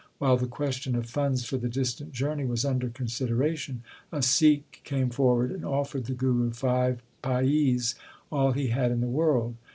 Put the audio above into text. While the question of funds for the distant journey w r as under considera tion, a Sikh came forward and offered the Guru five paise all he had in the world.